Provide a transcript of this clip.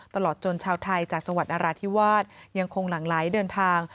ตลอดจนชาวไทยจากจังหวัดนราธิวาสยังคงหลั่งไหลเดินทาง